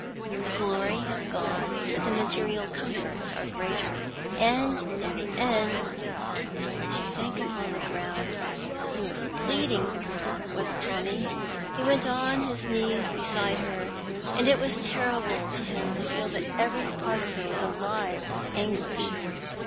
The glory has gone, but the material comforts are greater, and in the end " She sank upon the ground. He was bleeding for her, was Tommy. He went on his knees beside her, and it was terrible to him to feel that every part of her was alive with anguish.